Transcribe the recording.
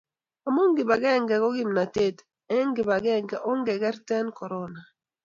amu kibagenge ko kimnatet , eng' kibagenge ongekerten korona